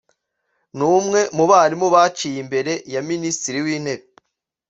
ni umwe mu barimu baciye imbere ya Minisitiri w’Intebe